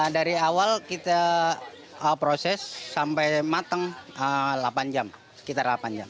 dari awal kita proses sampai mateng delapan jam sekitar delapan jam